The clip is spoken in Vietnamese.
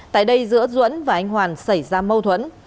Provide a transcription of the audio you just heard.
tại đây giữa duẫn và anh hoàn xảy ra mâu thuẫn